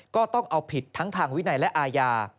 ก็ต้องเอาผิดทั้งทางวินัยและอาญา